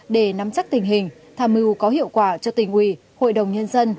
để nắm chắc tình hình tham mưu có hiệu quả cho tình quỳ hội đồng nhân dân